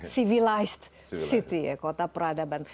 civilized city ya kota peradaban